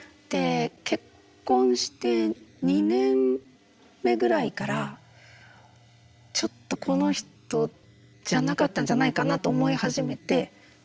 結婚して２年目ぐらいからちょっとこの人じゃなかったんじゃないかなと思い始めて。